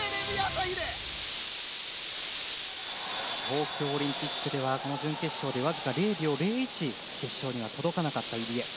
東京オリンピックではこの準決勝でわずか０秒０１決勝には届かなかった入江。